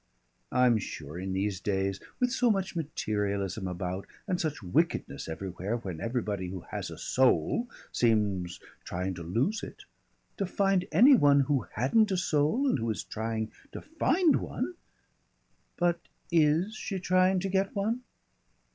"I'm sure in these days, with so much materialism about and such wickedness everywhere, when everybody who has a soul seems trying to lose it, to find any one who hadn't a soul and who is trying to find one " "But is she trying to get one?"